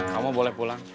kamu boleh pulang